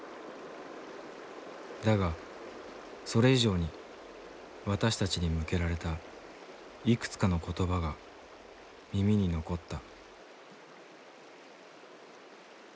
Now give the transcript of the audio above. だがそれ以上に私たちに向けられたいくつかの言葉が耳に残った。